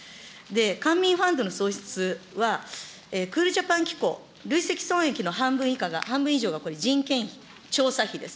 官民ファンドのはクールジャパン機構、累積損益の半分以上が人件費、調査費です。